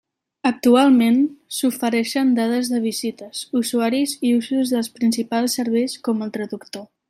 Actualment s'ofereixen dades de visites, usuaris i usos dels principals serveis, com el traductor.